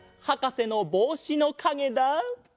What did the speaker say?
はかせのぼうしのかげだ！